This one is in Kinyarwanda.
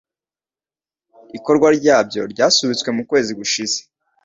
ikorwa ryabyo ryarasubitswe mukwezi gushize